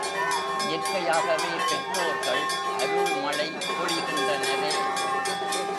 இயற்கையாகவே பெற்றோர்கள் அருள் மழை பொழிகின்றனரே!